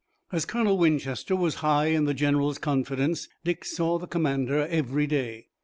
As Colonel Winchester was high in the general's confidence Dick saw the commander every day.